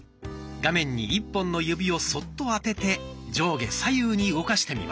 画面に１本の指をそっと当てて上下左右に動かしてみましょう。